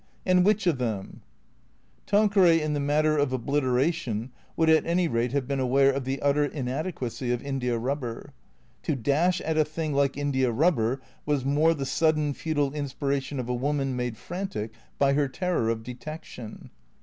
And which of them ? Tanqueray in the matter of obliteration would at any rate have been aware of the utter inadequacy of india rubber. To dash at a thing like india rubber was more the sudden, futile inspiration of a woman made frantic by her ter ror of detection.